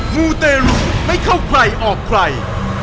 มูเตรุไม่เข้าใครออกใคร